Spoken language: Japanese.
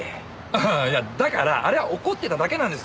ああいやだからあれは怒ってただけなんです。